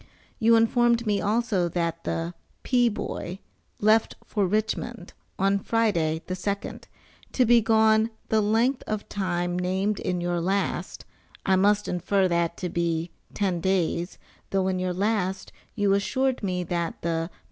You informed me also that the "P. Boy" left for Richmond, on Friday, the 2d, to be gone the length of time named in your last, I must infer that to be ten days though in your last you assured me that the "P.